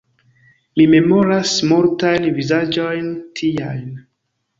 Mi memoras multajn vizaĝojn tiajn.